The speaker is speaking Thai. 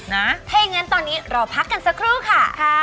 เฮ้ยงั้นตอนนี้รอพักกันสักครู่ค่ะ